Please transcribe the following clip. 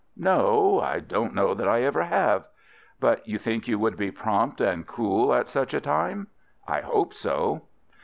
"No, I don't know that I ever have." "But you think you would be prompt and cool at such a time?" "I hope so."